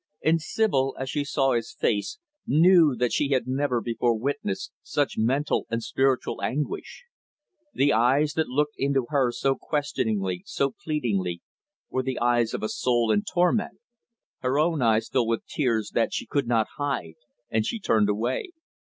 And Sibyl, as she saw his face, knew that she had never before witnessed such mental and spiritual anguish. The eyes that looked into hers so questioningly, so pleadingly, were the eyes of a soul in torment. Her own eyes filled with tears that she could not hide, and she turned away.